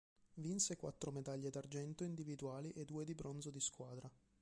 Vinse quattro medaglie d'argento individuali e due di bronzo di squadra.